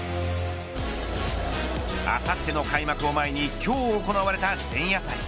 あさっての開幕を前に今日行われた前夜祭。